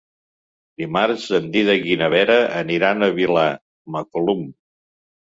Dimarts en Dídac i na Vera aniran a Vilamacolum.